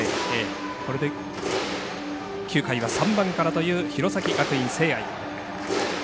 これで９回は３番からという弘前学院聖愛。